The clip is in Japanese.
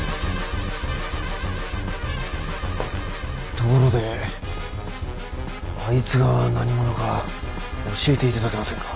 ところであいつが何者か教えていただけませんか？